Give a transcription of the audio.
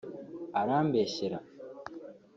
arambeshyera